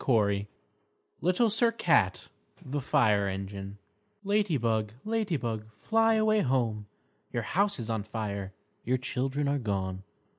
LITTLE SIR CAT The Fire Engine _Lady Bug, Lady Bug, fly away home; Your house is on fire, your children are gone!